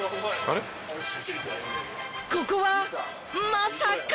ここはまさか。